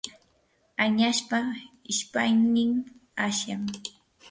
añaspa ishpaynin asyan.